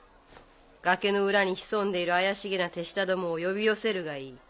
崖の裏に潜んでいる怪しげな手下どもを呼び寄せるがいい。